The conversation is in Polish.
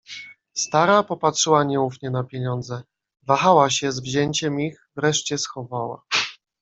"Stara popatrzyła nieufnie na pieniądze, wahała się z wzięciem ich, wreszcie schowała."